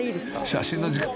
［写真の時間］